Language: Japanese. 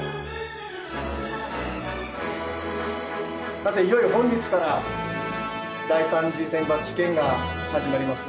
「さていよいよ本日から第３次選抜試験が始まります。